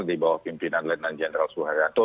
dibawah pimpinan lieutenant general suhayato